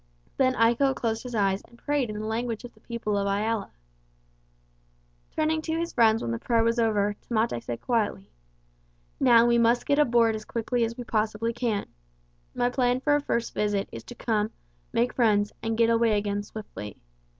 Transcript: Then Iko closed his eyes and prayed in the language of the people of Iala. Turning to his friends when the prayer was over, Tamate said quietly: "Now, we must get aboard as quickly as we possibly can. My plan for a first visit is to come, make friends and get away again swiftly.